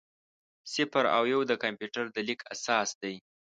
صفر او یو د کمپیوټر د لیک اساس دی.